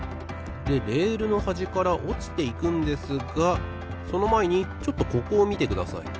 でレールのはじからおちていくんですがそのまえにちょっとここをみてください。